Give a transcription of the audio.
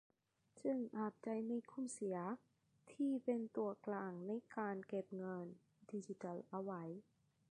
จึงอาจได้ไม่คุ้มเสีย ที่เป็นตัวกลางในการเก็บเงินดิจิทัลเอาไว้